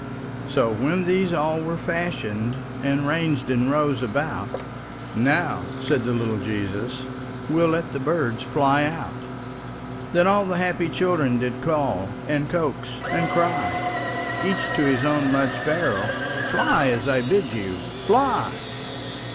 So, when these all were fashioned, And ranged in rows about, "Now," said the little Jesus, "We'll let the birds fly out." Then all the happy children Did call, and coax, and cry Each to his own mud sparrow: "Fly, as I bid you! Fly!"